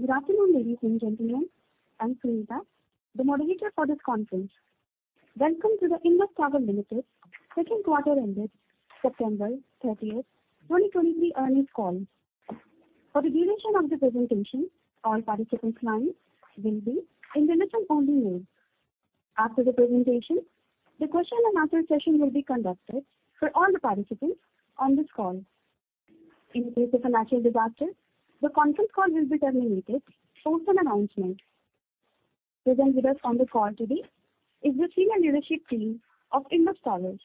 Good afternoon, ladies and gentlemen. I'm Sunita, the moderator for this conference. Welcome to the Indus Towers Limited second quarter ended September 30, 2023 earnings call. For the duration of the presentation, all participants' lines will be in listen-only mode. After the presentation, the question and answer session will be conducted for all the participants on this call. In case of a natural disaster, the conference call will be terminated through an announcement. Present with us on the call today is the senior leadership team of Indus Towers.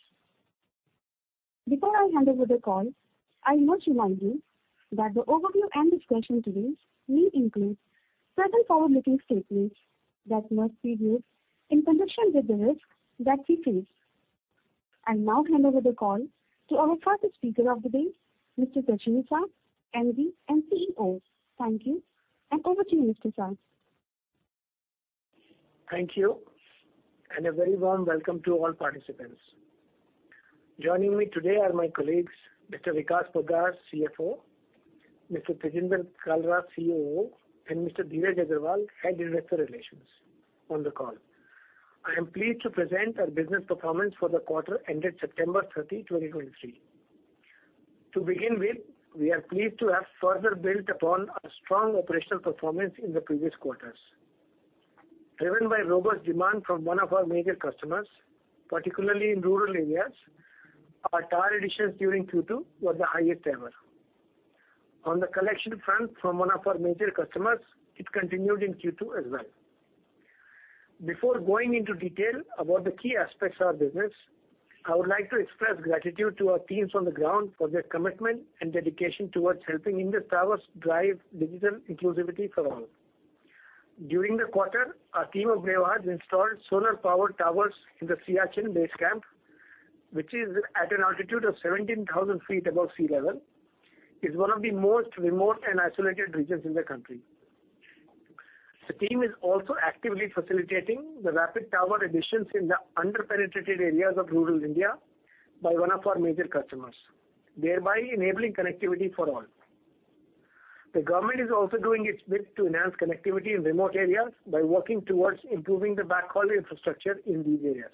Before I hand over the call, I must remind you that the overview and discussion today will include certain forward-looking statements that must be viewed in conjunction with the risks that we face. I now hand over the call to our first speaker of the day, Mr. Prachur Sah, MD and CEO. Thank you, and over to you, Mr. Sah. Thank you, and a very warm welcome to all participants. Joining me today are my colleagues, Mr. Vikas Poddar, CFO, Mr. Tejinder Kalra, COO, and Mr. Dheeraj Agarwal, Head, Investor Relations, on the call. I am pleased to present our business performance for the quarter ended September 30, 2023. To begin with, we are pleased to have further built upon our strong operational performance in the previous quarters. Driven by robust demand from one of our major customers, particularly in rural areas, our tower additions during Q2 were the highest ever. On the collection front from one of our major customers, it continued in Q2 as well. Before going into detail about the key aspects of our business, I would like to express gratitude to our teams on the ground for their commitment and dedication towards helping Indus Towers drive digital inclusivity for all. During the quarter, our team of bravehearts installed solar-powered towers in the Siachen Base Camp, which is at an altitude of 17,000 feet above sea level, is one of the most remote and isolated regions in the country. The team is also actively facilitating the rapid tower additions in the under-penetrated areas of rural India by one of our major customers, thereby enabling connectivity for all. The government is also doing its bit to enhance connectivity in remote areas by working towards improving the backhaul infrastructure in these areas.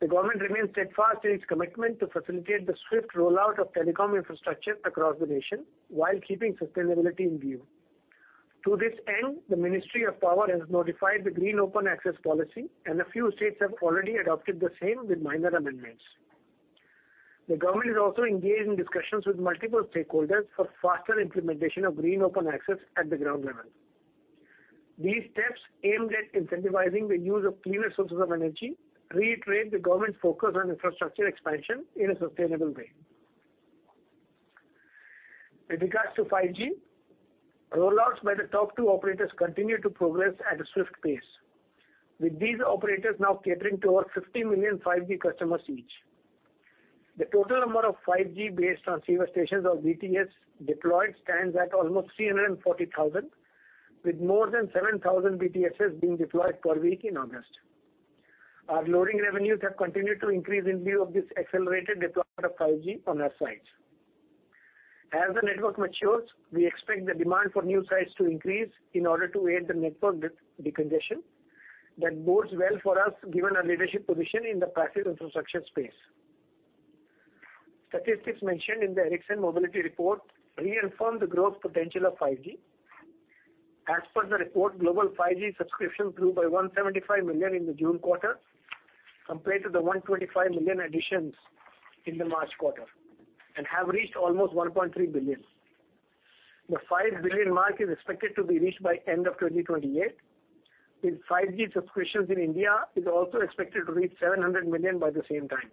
The government remains steadfast in its commitment to facilitate the swift rollout of telecom infrastructure across the nation, while keeping sustainability in view. To this end, the Ministry of Power has notified the Green Open Access Policy, and a few states have already adopted the same with minor amendments. The government is also engaged in discussions with multiple stakeholders for faster implementation of Green Open Access at the ground level. These steps, aimed at incentivizing the use of cleaner sources of energy, reiterate the government's focus on infrastructure expansion in a sustainable way. With regards to 5G, rollouts by the top two operators continue to progress at a swift pace, with these operators now catering to over 50 million 5G customers each. The total number of 5G-based transceiver stations or BTS deployed stands at almost 340,000, with more than 7,000 BTS being deployed per week in August. Our loading revenues have continued to increase in view of this accelerated deployment of 5G on our sites. As the network matures, we expect the demand for new sites to increase in order to aid the network decongestion. That bodes well for us, given our leadership position in the passive infrastructure space. Statistics mentioned in the Ericsson Mobility Report reaffirm the growth potential of 5G. As per the report, global 5G subscriptions grew by 175 million in the June quarter, compared to the 125 million additions in the March quarter, and have reached almost 1.3 billion. The 5 billion mark is expected to be reached by end of 2028, with 5G subscriptions in India is also expected to reach 700 million by the same time.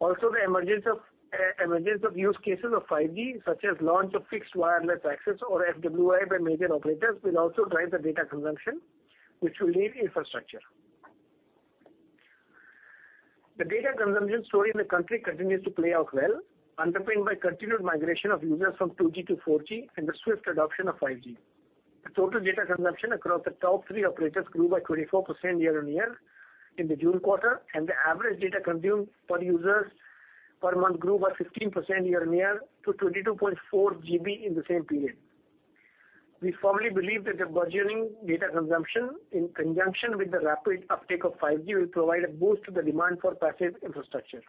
Also, the emergence of use cases of 5G, such as launch of Fixed Wireless Access or FWA by major operators, will also drive the data consumption, which will need infrastructure. The data consumption story in the country continues to play out well, underpinned by continued migration of users from 2G to 4G and the swift adoption of 5G. The total data consumption across the top three operators grew by 24% year-on-year in the June quarter, and the average data consumed per users per month grew by 15% year-on-year to 22.4 GB in the same period. We firmly believe that the burgeoning data consumption, in conjunction with the rapid uptake of 5G, will provide a boost to the demand for passive infrastructure.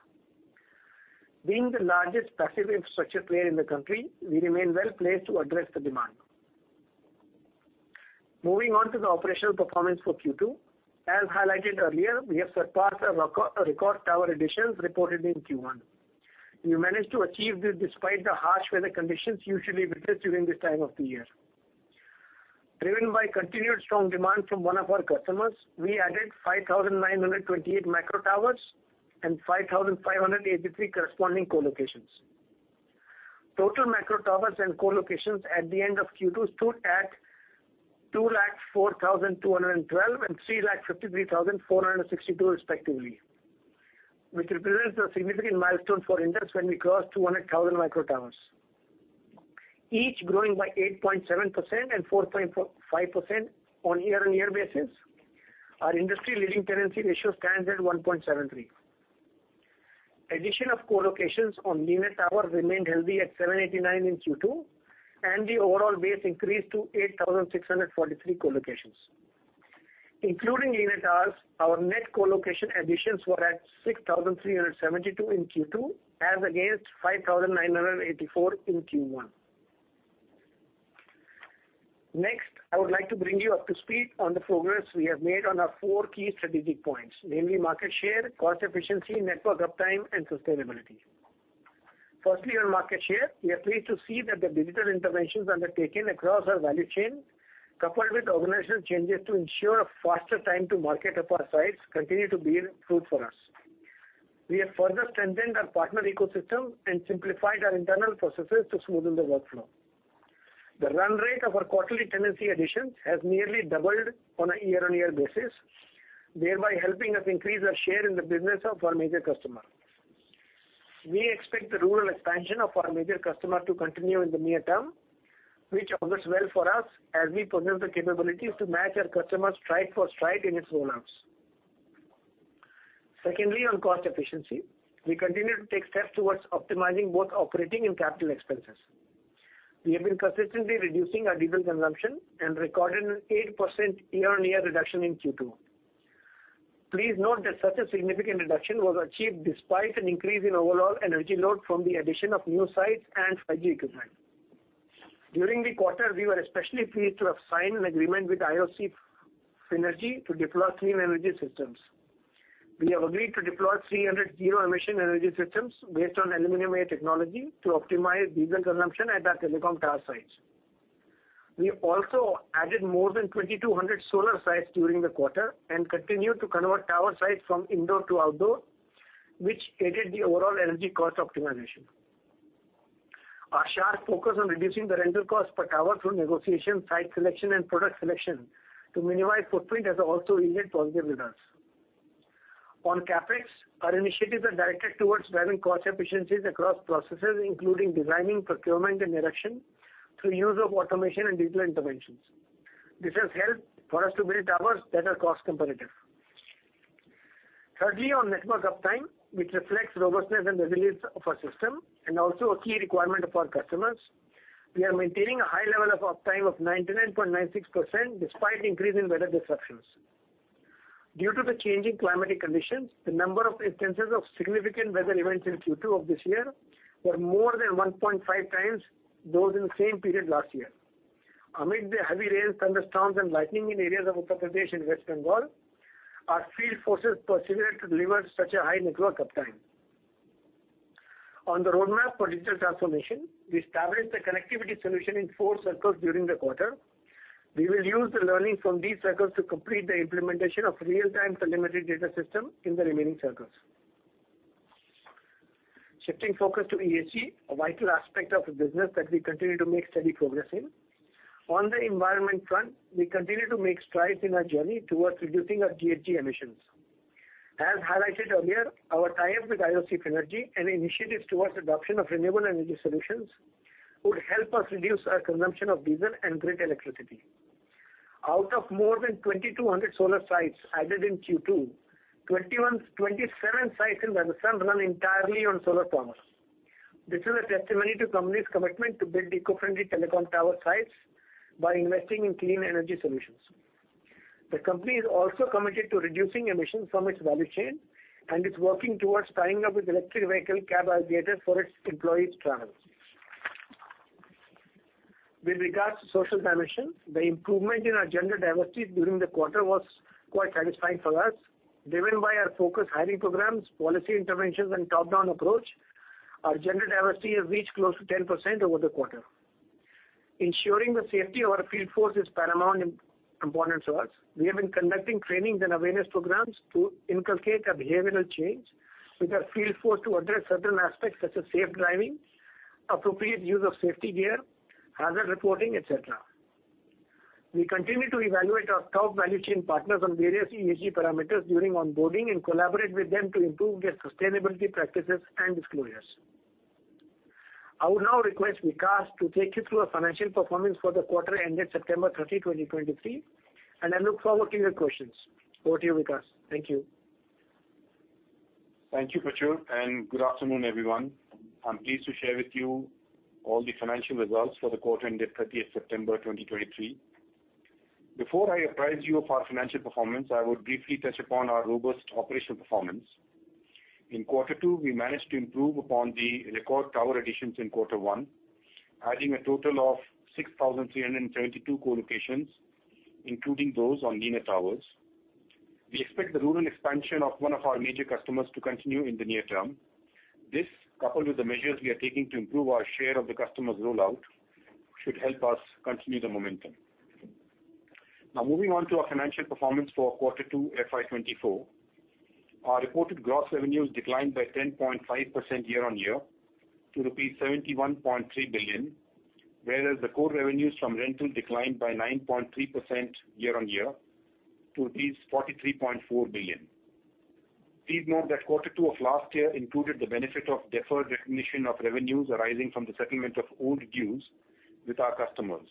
Being the largest passive infrastructure player in the country, we remain well-placed to address the demand. Moving on to the operational performance for Q2. As highlighted earlier, we have surpassed our record tower additions reported in Q1. We managed to achieve this despite the harsh weather conditions usually witnessed during this time of the year. Driven by continued strong demand from one of our customers, we added 5,928 micro towers and 5,583 corresponding co-locations. Total micro towers and co-locations at the end of Q2 stood at 204,212 and 353,462, respectively, which represents a significant milestone for Indus when we crossed 200,000 micro towers. Each growing by 8.7% and 4.5% on year-on-year basis, our industry-leading tenancy ratio stands at 1.73. Addition of co-locations on Lean towers remained healthy at 789 in Q2, and the overall base increased to 8,643 co-locations. Including Lean towers, our net colocation additions were at 6,372 in Q2, as against 5,984 in Q1. Next, I would like to bring you up to speed on the progress we have made on our four key strategic points, namely, market share, cost efficiency, network uptime, and sustainability. Firstly, on market share, we are pleased to see that the digital interventions undertaken across our value chain, coupled with organizational changes to ensure a faster time to market of our sites, continue to bear fruit for us. We have further strengthened our partner ecosystem and simplified our internal processes to smoothen the workflow. The run rate of our quarterly tenancy additions has nearly doubled on a year-on-year basis, thereby helping us increase our share in the business of our major customer. We expect the rural expansion of our major customer to continue in the near term, which augurs well for us, as we possess the capabilities to match our customers stride for stride in its rollouts. Secondly, on cost efficiency, we continue to take steps towards optimizing both operating and capital expenses. We have been consistently reducing our diesel consumption and recorded an 8% year-on-year reduction in Q2. Please note that such a significant reduction was achieved despite an increase in overall energy load from the addition of new sites and 5G equipment. During the quarter, we were especially pleased to have signed an agreement with IOC Phinergy to deploy clean energy systems. We have agreed to deploy 300 zero-emission energy systems based on aluminum-air technology to optimize diesel consumption at our telecom tower sites. We have also added more than 2,200 solar sites during the quarter and continue to convert tower sites from indoor to outdoor, which aided the overall energy cost optimization. Our sharp focus on reducing the rental cost per tower through negotiation, site selection, and product selection to minimize footprint has also yielded positive results. On CapEx, our initiatives are directed towards driving cost efficiencies across processes, including designing, procurement, and erection, through use of automation and digital interventions. This has helped for us to build towers that are cost competitive. Thirdly, on network uptime, which reflects robustness and resilience of our system and also a key requirement of our customers, we are maintaining a high level of uptime of 99.96%, despite the increase in weather disruptions. Due to the changing climatic conditions, the number of instances of significant weather events in Q2 of this year were more than 1.5 times those in the same period last year. Amid the heavy rains, thunderstorms, and lightning in areas of Uttar Pradesh and West Bengal, our field forces persevered to deliver such a high network uptime. On the roadmap for digital transformation, we established a connectivity solution in 4 circles during the quarter. We will use the learnings from these circles to complete the implementation of real-time telemetry data system in the remaining circles. Shifting focus to ESG, a vital aspect of the business that we continue to make steady progress in. On the environment front, we continue to make strides in our journey towards reducing our GHG emissions. As highlighted earlier, our tie-up with IOC Phinergy and initiatives towards adoption of renewable energy solutions would help us reduce our consumption of diesel and grid electricity. Out of more than 2,200 solar sites added in Q2 2021, 2,127 sites in Rajasthan run entirely on solar power. This is a testimony to company's commitment to build eco-friendly telecom tower sites by investing in clean energy solutions. The company is also committed to reducing emissions from its value chain and is working towards tying up with electric vehicle cab aggregators for its employees' travel. With regards to social dimension, the improvement in our gender diversity during the quarter was quite satisfying for us. Driven by our focused hiring programs, policy interventions, and top-down approach, our gender diversity has reached close to 10% over the quarter. Ensuring the safety of our field force is paramount, important to us. We have been conducting trainings and awareness programs to inculcate a behavioral change with our field force to address certain aspects, such as safe driving, appropriate use of safety gear, hazard reporting, etc. We continue to evaluate our top value chain partners on various ESG parameters during onboarding and collaborate with them to improve their sustainability practices and disclosures. I would now request Vikas to take you through our financial performance for the quarter ended September 30, 2023, and I look forward to your questions. Over to you, Vikas. Thank you. Thank you, Prachur, and good afternoon, everyone. I'm pleased to share with you all the financial results for the quarter ended 30th September 2023. Before I apprise you of our financial performance, I would briefly touch upon our robust operational performance. InQ2, we managed to improve upon the record tower additions in Q1, adding a total of 6,332 co-locations, including those on I-Lean towers. We expect the rural expansion of one of our major customers to continue in the near term. This, coupled with the measures we are taking to improve our share of the customer's rollout, should help us continue the momentum. Now moving on to our financial performance for Q2, FY 2024. Our reported gross revenues declined by 10.5% year-on-year to rupees 71.3 billion, whereas the core revenues from rental declined by 9.3% year-on-year to 43.4 billion. Please note thatQ2 of last year included the benefit of deferred recognition of revenues arising from the settlement of old dues with our customers,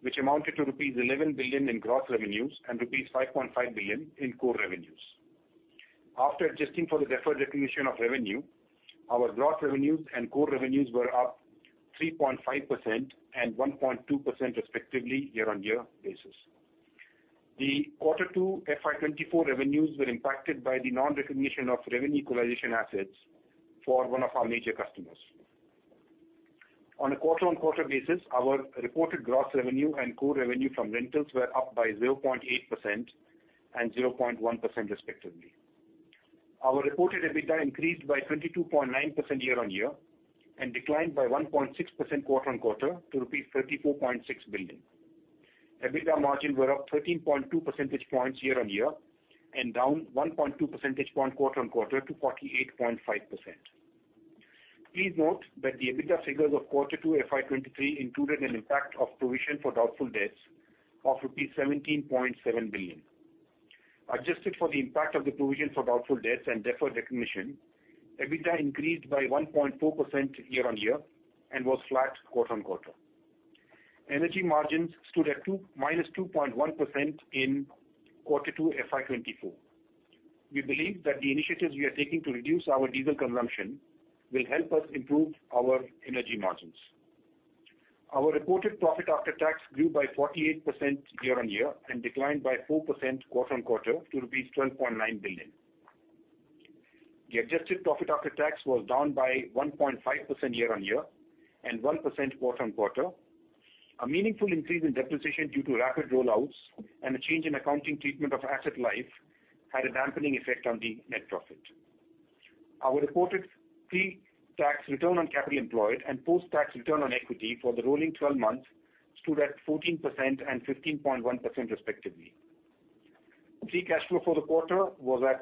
which amounted to rupees 11 billion in gross revenues and rupees 5.5 billion in core revenues. After adjusting for the deferred recognition of revenue, our gross revenues and core revenues were up 3.5% and 1.2% respectively, year-on-year basis. The Q2 FY 2024 revenues were impacted by the non-recognition of revenue equalization assets for one of our major customers. On a quarter-on-quarter basis, our reported gross revenue and core revenue from rentals were up by 0.8% and 0.1% respectively. Our reported EBITDA increased by 22.9% year-on-year and declined by 1.6% quarter-on-quarter to rupees 34.6 billion. EBITDA margins were up 13.2 percentage points year-on-year and down 1.2 percentage point quarter-on-quarter to 48.5%. Please note that the EBITDA figures of Q2 FY 2023 included an impact of provision for doubtful debts of rupees 17.7 billion. Adjusted for the impact of the provision for doubtful debts and deferred recognition, EBITDA increased by 1.2% year-on-year and was flat quarter-on-quarter. Energy margins stood at minus 2.1% in Q2, FY 2024. We believe that the initiatives we are taking to reduce our diesel consumption will help us improve our energy margins. Our reported profit after tax grew by 48% year-on-year and declined by 4% quarter-on-quarter to rupees 12.9 billion. The adjusted profit after tax was down by 1.5% year-on-year and 1% quarter-on-quarter. A meaningful increase in depreciation due to rapid rollouts and a change in accounting treatment of asset life had a dampening effect on the net profit. Our reported pre-tax return on capital employed and post-tax return on equity for the rolling twelve months stood at 14% and 15.1% respectively. Free Cash Flow for the quarter was at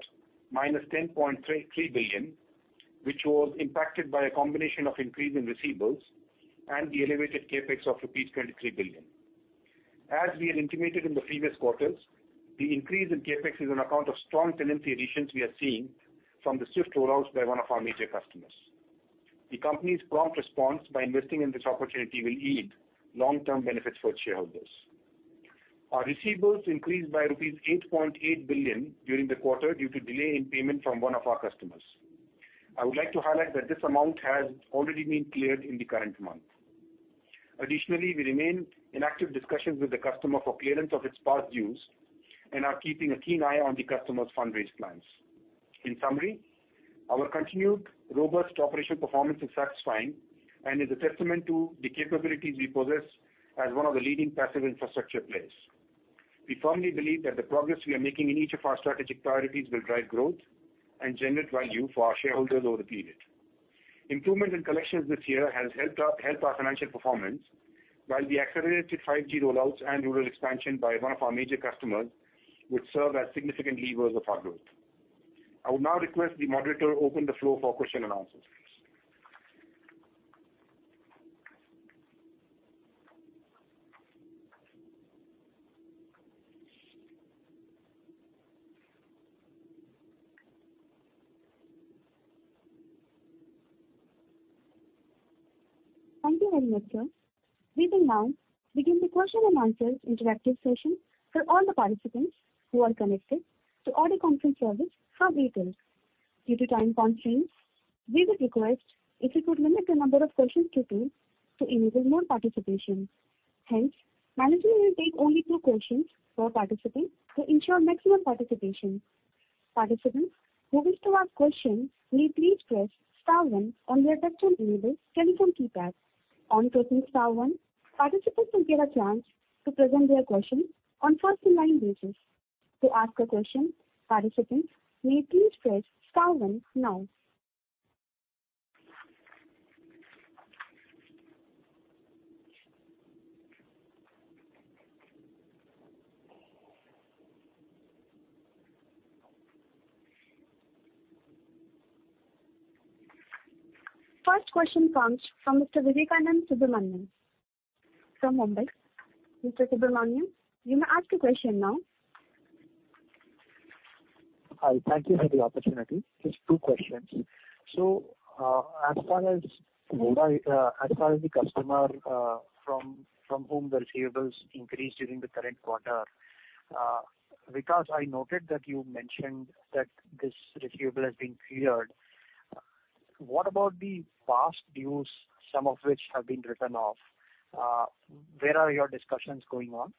-10.33 billion, which was impacted by a combination of increase in receivables and the elevated CapEx of rupees 23 billion. As we had intimated in the previous quarters, the increase in CapEx is on account of strong tenancy additions we are seeing from the swift rollouts by one of our major customers. The company's prompt response by investing in this opportunity will yield long-term benefits for its shareholders. Our receivables increased by rupees 8.8 billion during the quarter due to delay in payment from one of our customers. I would like to highlight that this amount has already been cleared in the current month. Additionally, we remain in active discussions with the customer for clearance of its past dues and are keeping a keen eye on the customer's fundraise plans. In summary, our continued robust operational performance is satisfying and is a testament to the capabilities we possess as one of the leading passive infrastructure players. We firmly believe that the progress we are making in each of our strategic priorities will drive growth and generate value for our shareholders over the period. Improvement in collections this year has helped our financial performance, while the accelerated 5G rollouts and rural expansion by one of our major customers, which serve as significant levers of our growth. I would now request the moderator open the floor for question and answers. Thank you very much, sir. We will now begin the question and answer interactive session for all the participants who are connected to audio conference service, are waiting. Due to time constraints, we would request if you could limit the number of questions to two, to enable more participation. Hence, manager will take only two questions per participant to ensure maximum participation. Participants who wish to ask questions, need please press star one on their touchtone enabled telephone keypad. On pressing star one, participants will get a chance to present their questions on first in line basis. To ask a question, participants need please press star one now. Hi, thank you for the opportunity. Just two questions. So, as far as Vodafone, as far as the customer, from whom the receivables increased during the current quarter, because I noted that you mentioned that this receivable has been cleared. What about the past dues, some of which have been written off? Where are your discussions going on,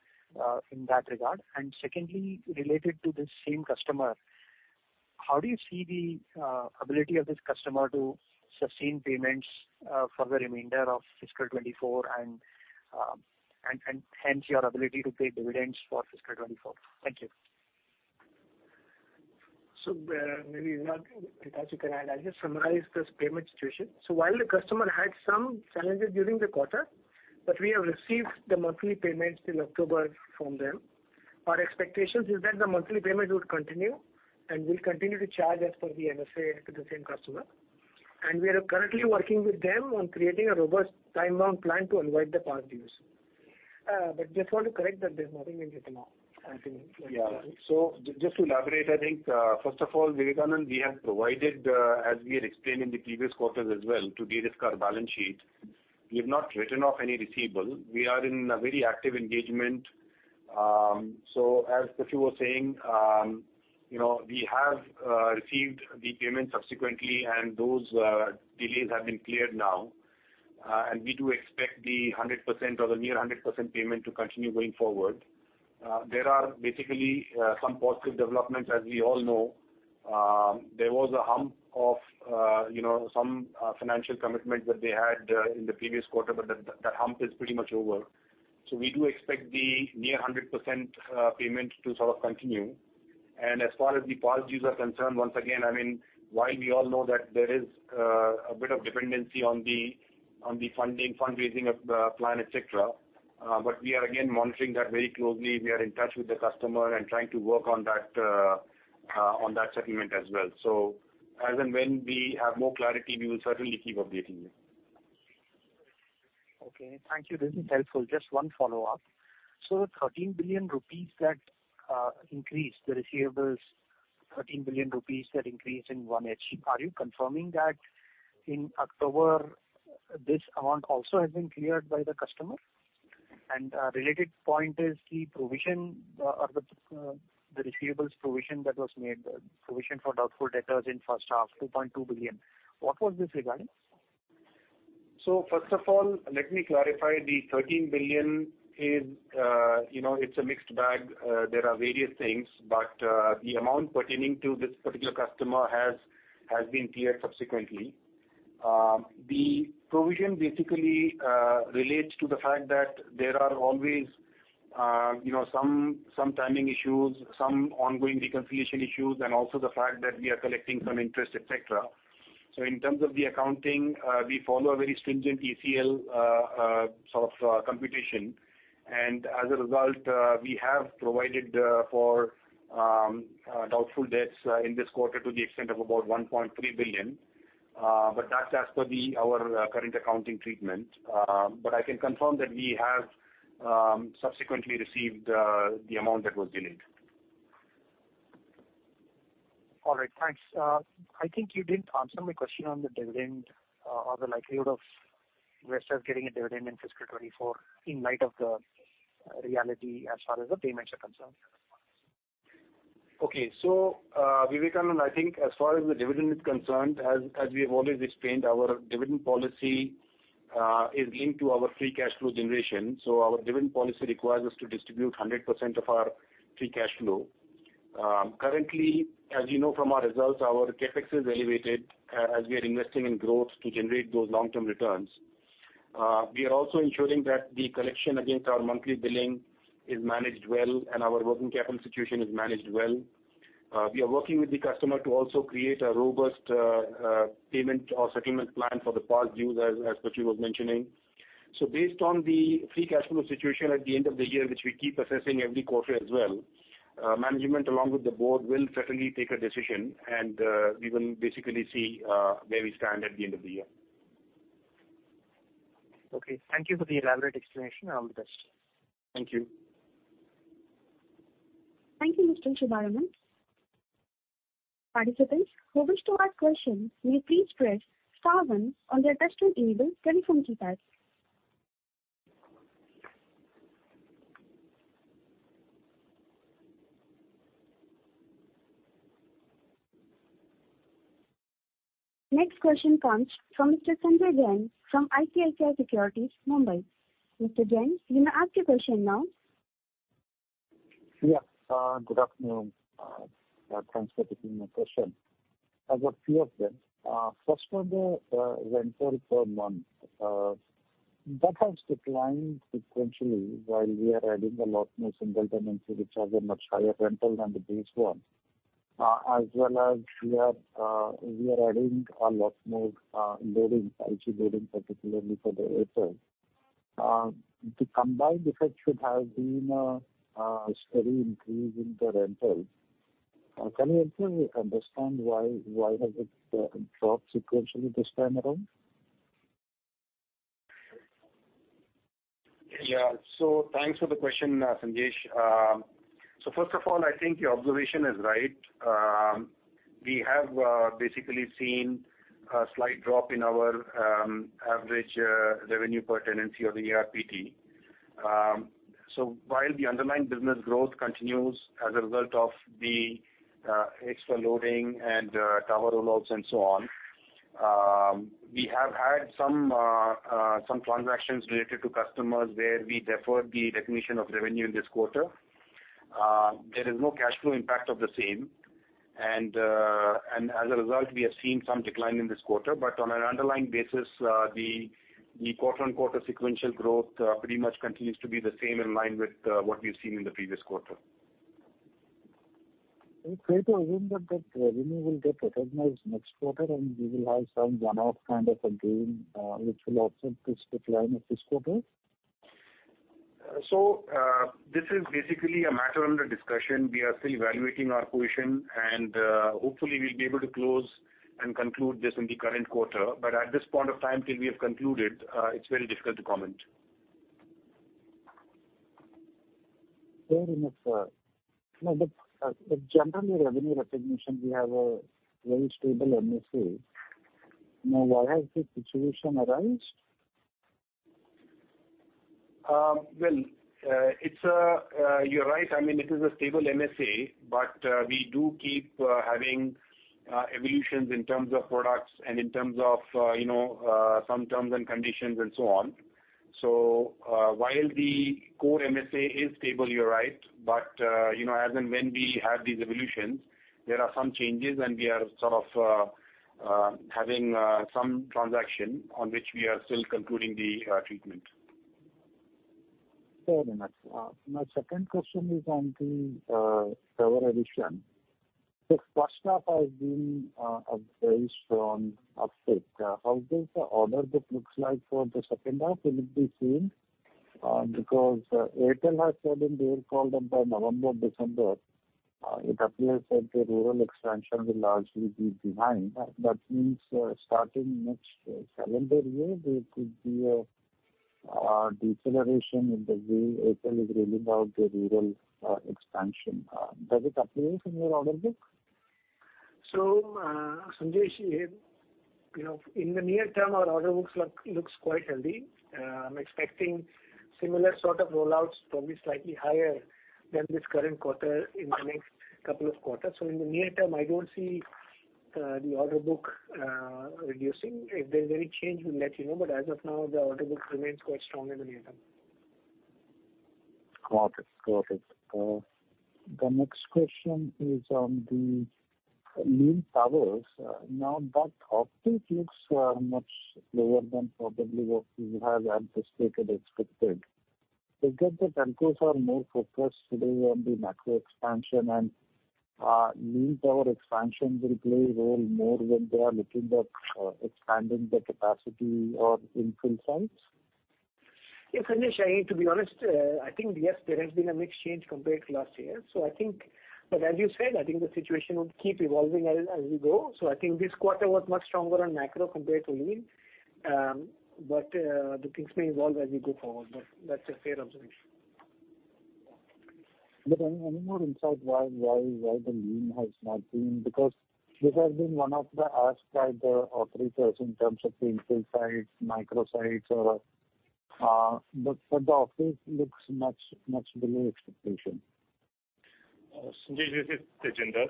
in that regard? And secondly, related to this same customer, how do you see the ability of this customer to sustain payments, for the remainder of fiscal 2024, and hence your ability to pay dividends for fiscal 2024? Thank you. maybe, Vikas, you can add. I'll just summarize this payment situation. While the customer had some challenges during the quarter, but we have received the monthly payments in October from them. Our expectations is that the monthly payment would continue, and we'll continue to charge as per the MSA to the same customer. We are currently working with them on creating a robust time-bound plan to avoid the past dues. Just want to correct that there's nothing in written off, I think. Yeah. Just to elaborate, I think, first of all, Vivekanand, we have provided, as we had explained in the previous quarters as well, to de-risk our balance sheet, we have not written off any receivable. We are in a very active engagement. As Prachur was saying, you know, we have received the payment subsequently, and those delays have been cleared now. And we do expect the 100% or the near 100% payment to continue going forward. There are basically some positive developments. As we all know, there was a hump of, you know, some financial commitment that they had in the previous quarter, but that hump is pretty much over. So we do expect the near 100% payment to sort of continue. As far as the past dues are concerned, once again, I mean, while we all know that there is a bit of dependency on the funding, fundraising of the plan, et cetera, but we are again monitoring that very closely. We are in touch with the customer and trying to work on that, on that settlement as well. So as and when we have more clarity, we will certainly keep updating you. Okay, thank you. This is helpful. Just one follow-up. 13 billion rupees that increased the receivables, 13 billion rupees, that increase in 1H. Are you confirming that in October, this amount also has been cleared by the customer? Related point is the provision, or the receivables provision that was made, the provision for doubtful debtors in first half, 2.2 billion. What was this regarding? First of all, let me clarify. The 13 billion is, you know, it's a mixed bag. There are various things, but, the amount pertaining to this particular customer has been cleared subsequently. The provision basically, relates to the fact that there are always, you know, some timing issues, some ongoing reconciliation issues, and also the fact that we are collecting some interest, et cetera. In terms of the accounting, we follow a very stringent ECL, sort of, computation. And as a result, we have provided for doubtful debts, in this quarter to the extent of about 1.3 billion. But that's as per our current accounting treatment. I can confirm that we have subsequently received the amount that was delayed. All right. Thanks. I think you didn't answer my question on the dividend, or the likelihood of investors getting a dividend in fiscal 2024, in light of the reality as far as the payments are concerned. Okay. Vivekanand, I think as far as the dividend is concerned, as we have always explained, our dividend policy is linked to our Free Cash Flow generation. Our dividend policy requires us to distribute 100% of our Free Cash Flow. Currently, as you know from our results, our CapEx is elevated, as we are investing in growth to generate those long-term returns. We are also ensuring that the collection against our monthly billing is managed well and our working capital situation is managed well. We are working with the customer to also create a robust payment or settlement plan for the past dues, as Prachur was mentioning. Based on the Free Cash Flow situation at the end of the year, which we keep assessing every quarter as well, management along with the board will certainly take a decision, and we will basically see where we stand at the end of the year. Okay, thank you for the elaborate explanation. All the best. Thank you. Thank you, Mr. Subbaraman. Participants who wish to ask questions, may please press star one on their touch-tone enabled telephone keypad. Next question comes from Mr. Sanjesh Jain, from ICICI Securities, Mumbai. Mr. Jain, you may ask your question now. Yeah. Good afternoon. Thanks for taking my question. I've got a few of them. First one, the rental per month that has declined sequentially while we are adding a lot more single tenancy, which has a much higher rental than the base one. As well as we are, we are adding a lot more loading, IT loading, particularly for the data. The combined effect should have been a steady increase in the rentals. Can you help me understand why, why has it dropped sequentially this time around? Yeah. Thanks for the question, Sanjesh. First of all, I think your observation is right. We have basically seen a slight drop in our average revenue per tenancy or the ARPT. while the underlying business growth continues as a result of the extra loading and tower rollouts and so on, we have had some transactions related to customers, where we deferred the recognition of revenue in this quarter. There is no cash flow impact of the same, and as a result, we have seen some decline in this quarter. On an underlying basis, the quarter-on-quarter sequential growth pretty much continues to be the same, in line with what we've seen in the previous quarter. Is it fair to assume that the revenue will get recognized next quarter, and we will have some one-off kind of a gain, which will offset this decline of this quarter? This is basically a matter under discussion. We are still evaluating our position, and, hopefully, we'll be able to close and conclude this in the current quarter. If at this point of time, till we have concluded, it's very difficult to comment. Fair enough, sir. Now, but, but generally, revenue recognition, we have a very stable MSC.... Now, why has this situation arise? Well, you're right. I mean, it is a stable MSA, but we do keep having evolutions in terms of products and in terms of, you know, some terms and conditions, and so on. While the core MSA is stable, you're right, but you know, as and when we have these evolutions, there are some changes, and we are sort of having some transaction on which we are still concluding the treatment. Very much. My second question is on the tower addition. The first half has been a very strong uptick. How does the order book looks like for the second half? Will it be same? Because Airtel has said in the earnings call that by November, December, it appears that the rural expansion will largely be behind. That means, starting next calendar year, there could be a deceleration in the way Airtel is really about the rural expansion. Does it appear in your order book? So, Sanjesh, you know, in the near term, our order books look, looks quite healthy. I'm expecting similar sort of rollouts, probably slightly higher than this current quarter in the next couple of quarters. In the near term, I don't see the order book reducing. If there's any change, we'll let you know, but as of now, the order book remains quite strong in the near term. Got it. Got it. The next question is on the lean towers. Now, that uptake looks much lower than probably what we have anticipated, expected. Is that the telcos are more focused today on the macro expansion and lean tower expansion will play a role more when they are looking at expanding the capacity or infill sites? Yes, Sanjesh, I mean, to be honest, I think, yes, there has been a mix change compared to last year. So I think, but as you said, I think the situation would keep evolving as we go. I think this quarter was much stronger on macro compared to Lean. The things may evolve as we go forward, but that's a fair observation. Any more insight why the Lean has not been? Because this has been one of the asks by the operators in terms of the infill sites, micro sites, or but the uptake looks much below expectation. Sanjesh, this is Tejinder.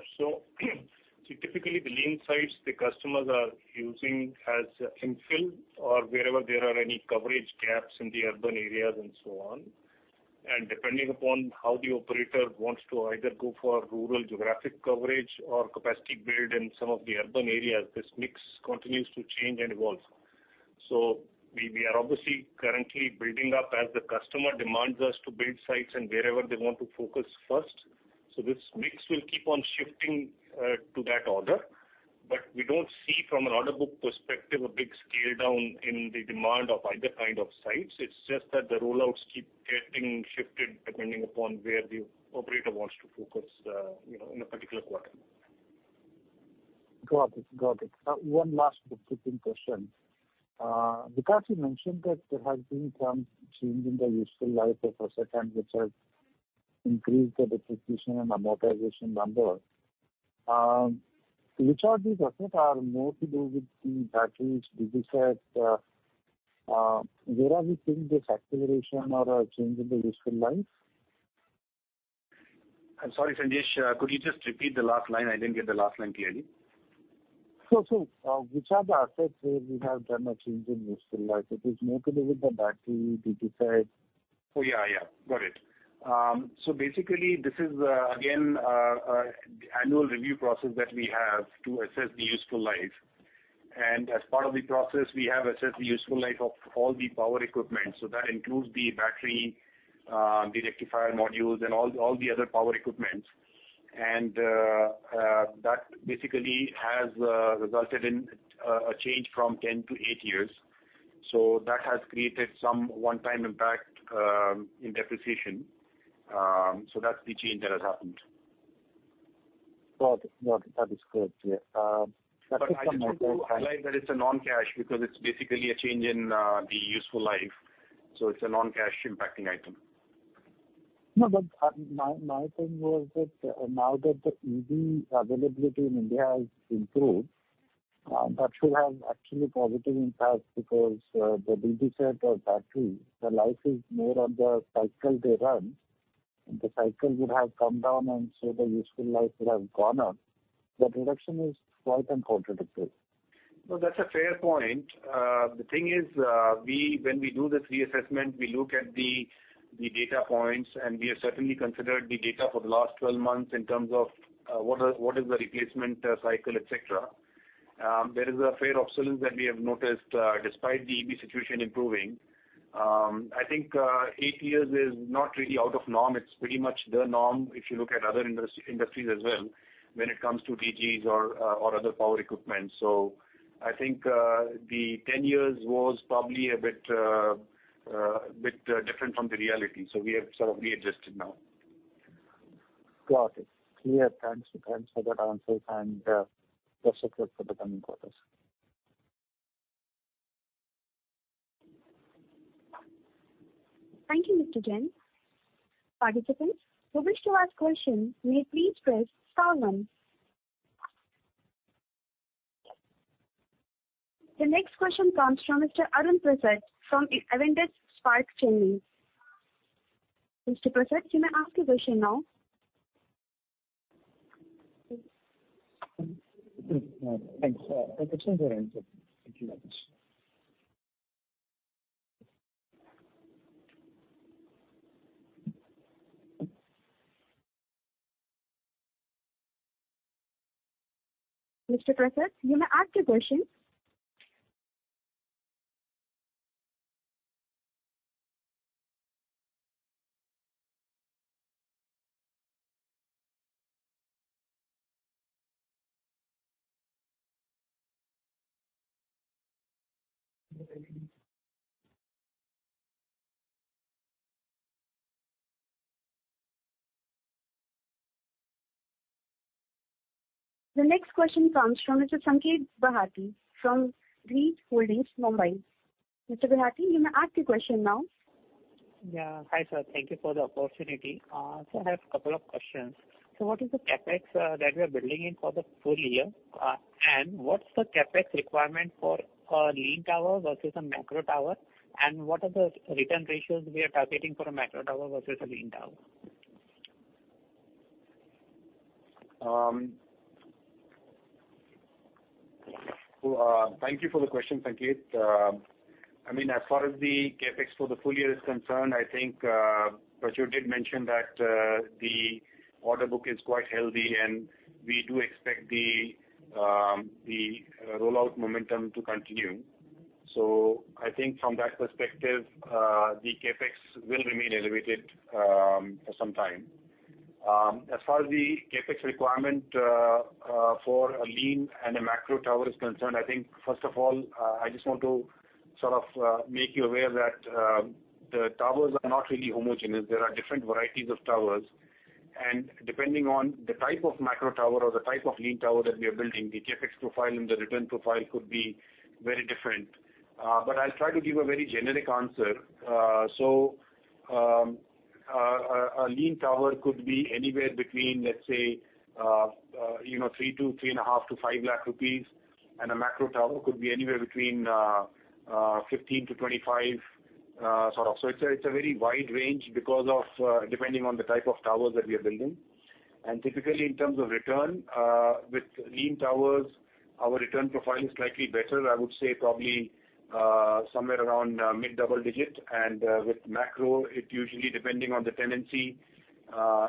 Typically, the lean sites, the customers are using as infill or wherever there are any coverage gaps in the urban areas and so on. Depending upon how the operator wants to either go for rural geographic coverage or capacity build in some of the urban areas, this mix continues to change and evolve. We, we are obviously currently building up as the customer demands us to build sites and wherever they want to focus first. This mix will keep on shifting to that order. we don't see from an order book perspective, a big scale down in the demand of either kind of sites. It's just that the rollouts keep getting shifted depending upon where the operator wants to focus, you know, in a particular quarter. Got it. Got it. One last quick question. Vikas, you mentioned that there has been some change in the useful life of assets, which has increased the depreciation and amortization number. Which of these assets are more to do with the batteries, DC sides, where are we seeing this acceleration or a change in the useful life? I'm sorry, Sanjesh, could you just repeat the last line? I didn't get the last line clearly. Which are the assets where we have done a change in useful life? It is more to do with the battery, DC side. Oh, yeah, yeah. Got it. Basically, this is again annual review process that we have to assess the useful life. As part of the process, we have assessed the useful life of all the power equipment. That includes the battery, the rectifier modules, and all the other power equipment. That basically has resulted in a change from 10 to 8 years. That has created some one-time impact in depreciation. That's the change that has happened. Got it. Got it. That is clear. Just one more quick- I just want to highlight that it's a non-cash, because it's basically a change in the useful life, so it's a non-cash impacting item. No, but, my, my thing was that now that the EV availability in India has improved, that should have actually positive impact because, the DC side or battery, the life is more on the cycle they run, and the cycle would have come down, and so the useful life would have gone up. The reduction is quite contradicting. No, that's a fair point. The thing is, when we do this reassessment, we look at the data points, and we have certainly considered the data for the last 12 months in terms of what is the replacement cycle, et cetera. There is a fair obsolescence that we have noticed, despite the EV situation improving. I think, 8 years is not really out of norm. It's pretty much the norm, if you look at other industries as well, when it comes to DGs or other power equipment. So I think, the 10 years was probably a bit different from the reality, so we have sort of readjusted now. Got it. Clear. Thanks, thanks for that answer, and best wishes for the coming quarters. Thank you, Mr. Jain. Participants who wish to ask questions, may please press star one. The next question comes from Mr. Arun Prasad from Avendus Spark, Chennai. Mr. Prasad, you may ask your question now. Thanks. Thank you very much. Mr. Prasad, you may ask your question. The next question comes from Mr. Sanket Baheti from GeeCee Holdings, Mumbai. Mr. Bahati, you may ask your question now. Yeah. Hi, sir. Thank you for the opportunity. I have a couple of questions. What is the CapEx that we are building in for the full year? What's the CapEx requirement for a lean tower versus a macro tower? What are the return ratios we are targeting for a macro tower versus a lean tower? Thank you for the question, Sanket. I mean, as far as the CapEx for the full year is concerned, I think Prachur did mention that the order book is quite healthy, and we do expect the rollout momentum to continue. I think from that perspective, the CapEx will remain elevated for some time. As far as the CapEx requirement for a Lean and a macro tower is concerned, I think first of all, I just want to sort of make you aware that the towers are not really homogeneous. There are different varieties of towers, and depending on the type of macro tower or the type of Lean Tower that we are building, the CapEx profile and the return profile could be very different. I'll try to give a very generic answer. So, a lean tower could be anywhere between, let's say, you know, 3 to 3.5 to 5 lakh rupees, and a macro tower could be anywhere between 15-25 lakh rupees, sort of. It's a very wide range because of depending on the type of towers that we are building. Typically, in terms of return, with lean towers, our return profile is slightly better. I would say probably somewhere around mid-double digit. With macro, it usually, depending on the tenancy,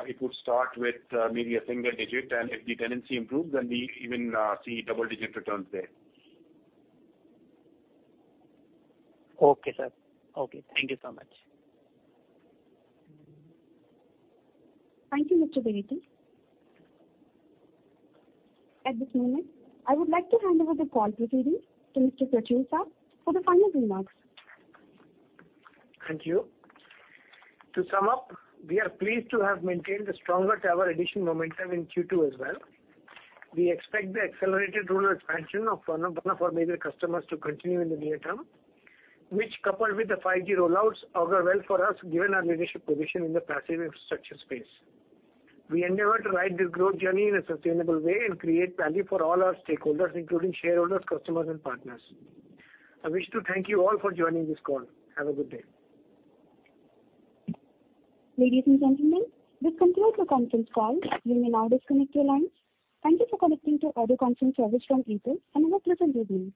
it would start with maybe a single digit, and if the tenancy improves, then we even see double-digit returns there. Okay, sir. Okay, thank you so much. Thank you, Mr. Bahati. At this moment, I would like to hand over the call proceedings to Mr. Prachur Sah for the final remarks. Thank you. To sum up, we are pleased to have maintained a stronger tower addition momentum in Q2 as well. We expect the accelerated rural expansion of our major customers to continue in the near term, which, coupled with the 5G rollouts, augur well for us, given our leadership position in the passive infrastructure space. We endeavor to ride this growth journey in a sustainable way and create value for all our stakeholders, including shareholders, customers, and partners. I wish to thank you all for joining this call. Have a good day. Ladies and gentlemen, this concludes the conference call. You may now disconnect your lines. Thank you for connecting to our audio conference service from Google, and have a pleasant day to you.